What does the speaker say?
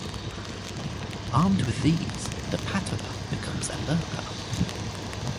Armed with these, the patterer becomes a ‘lurker.